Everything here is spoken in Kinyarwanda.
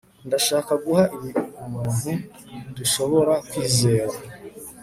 ndashaka guha ibi umuntu dushobora kwizera